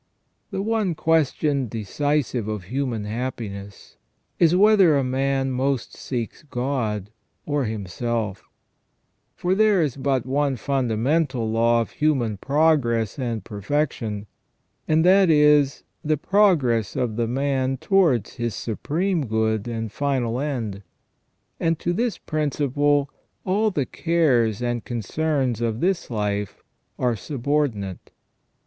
The one question decisive of human happiness is whether a man most seeks God or himself; for there is but one fundamental law of human progress and perfection, and that is the progress of the man towards his Supreme Good and 282 THE FALL OF MAN final end ; and to this principle all the cares and concerns of this life are subordinate.